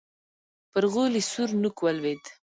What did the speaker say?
پر غولي سور نوک ولوېد.